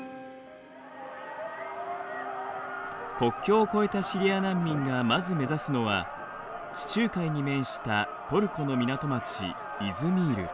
国境を越えたシリア難民がまず目指すのは地中海に面したトルコの港町イズミール。